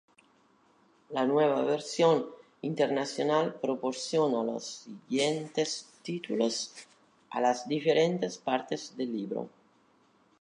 La Nueva Versión Internacional proporciona los siguientes títulos a las diferentes partes del libro.